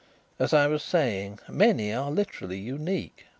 As I was saying, many are literally unique.